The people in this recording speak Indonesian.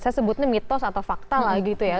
saya sebutnya mitos atau fakta lah gitu ya